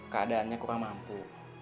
keadaannya kurang mampu